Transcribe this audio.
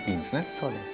そうです。